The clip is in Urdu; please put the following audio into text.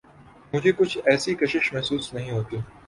مجھے کچھ ایسی کشش محسوس نہیں ہوتی۔